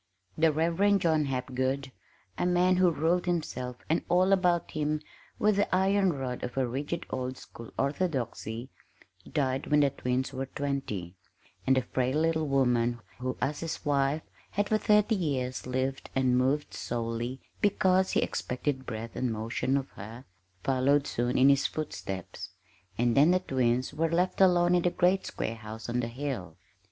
The Reverend John Hapgood a man who ruled himself and all about him with the iron rod of a rigid old school orthodoxy died when the twins were twenty; and the frail little woman who, as his wife, had for thirty years lived and moved solely because he expected breath and motion of her, followed soon in his footsteps. And then the twins were left alone in the great square house on the hill.